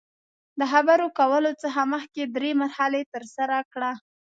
د خبرو کولو څخه مخکې درې مرحلې ترسره کړه.